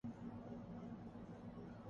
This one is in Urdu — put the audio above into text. جب کسی مفاد پر زد پڑتی ہے۔